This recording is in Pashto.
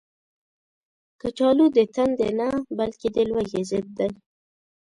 کچالو د تندې نه، بلکې د لوږې ضد دی